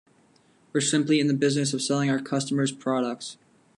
We're simply in the business of selling our customers products.